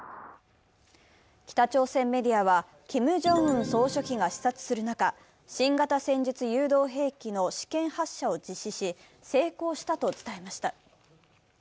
北朝鮮メディアは、キム・ジョンウン総書記が視察する中、新型戦術誘導武器の試験発射を実施し、成功したと伝えました。